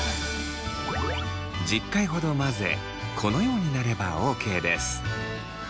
１０回ほど混ぜこのようになればＯＫです。